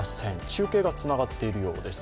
中継がつながっているようです。